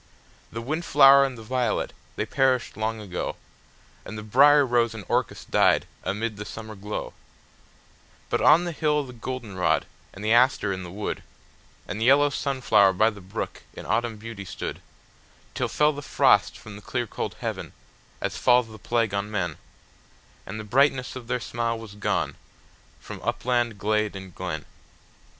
The wind flower and the violet, they perished long ago, And the brier rose and the orchis died amid the summer glow; But on the hill the goldenrod, and the aster in the wood, And the yellow sunflower by the brook in autumn beauty stood, Till fell the frost from the clear cold heaven, as falls the plague on men, And the brightness of their smile was gone, from upland, glade, and glen.